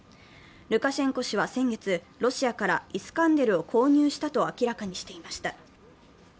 ルカシェンコ氏は先月、ロシアからイスカンデルを購入したと明らかにしていました。